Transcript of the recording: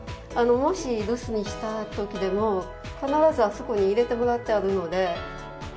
もし留守にしたときでも必ずあそこに入れてもらってあるので。